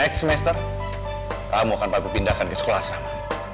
next semester kamu akan pampu pindahkan ke sekolah asrama